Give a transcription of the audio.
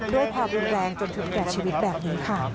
ด้วยความรุนแรงจนถึงแก่ชีวิตแบบนี้ค่ะ